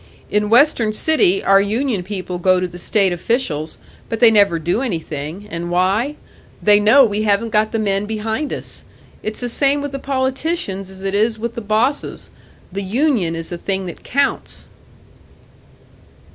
In Western City our union people go to the state officials, but they never do anything and why? They know we haven't got the men behind us! It's the same with the politicians as it is with the bosses the union is the thing that counts!"